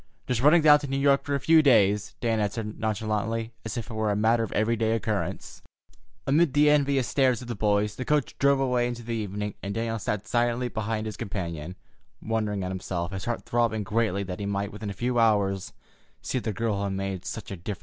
"Just running down to New York for a few days," Dan answered nonchalantly, as if it were a matter of every day occurrence. Amid the envious stares of the boys, the coach drove away into the evening, and Daniel sat silently beside his companion, wondering at himself, his heart throbbing greatly that he might within a few hours see the girl who had made such a difference in his life.